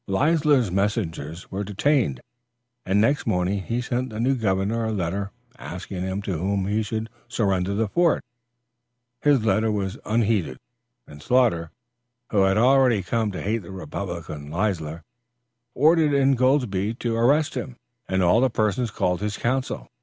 Leisler's messengers were detained, and next morning he sent the new governor a letter asking him to whom he should surrender the fort. His letter was unheeded, and Sloughter, who had already come to hate the republican Leisler, ordered Ingoldsby to arrest him and all the persons called his council.